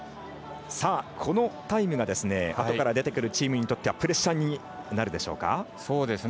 このタイムがあとから出てくるチームにとってはプレッシャーになるでしょうか。